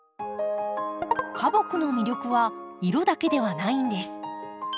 花木の魅力は色だけではないんです。